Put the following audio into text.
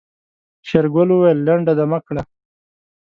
شېرګل وويل لنډه دمه کړه.